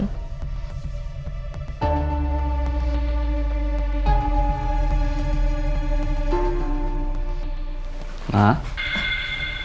pernikahannya randy sama mbak catherine